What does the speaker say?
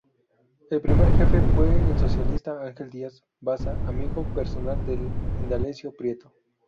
El primer jefe fue el socialista Ángel Díaz Baza, amigo personal de Indalecio Prieto.